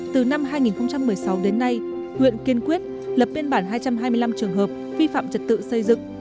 từ năm hai nghìn một mươi sáu đến nay huyện kiên quyết lập biên bản hai trăm hai mươi năm trường hợp vi phạm trật tự xây dựng